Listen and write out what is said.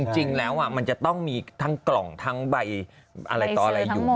จริงแล้วมันจะต้องมีทั้งกล่องทั้งใบอะไรต่ออะไรอยู่